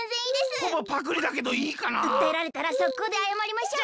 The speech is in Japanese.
うったえられたらそっこうであやまりましょう。